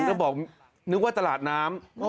ตอนเช่าแขกก็บอกนึกว่าตลาดน้ำ